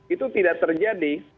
itu tidak terjadi